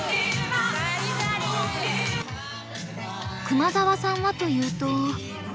熊澤さんはというと。